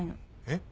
えっ？